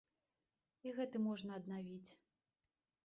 І гэты можна аднавіць.